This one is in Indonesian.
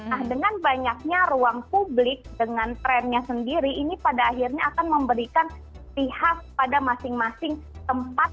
nah dengan banyaknya ruang publik dengan trendnya sendiri ini pada akhirnya akan memberikan pihak pada masing masing tempat